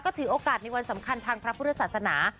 ถือโอกาสในวันสำคัญทางพระพุทธศาสนา